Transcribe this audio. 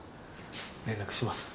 連絡します